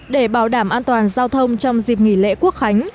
để bảo đảm an toàn giao thông trong dịp nghỉ lễ quốc khánh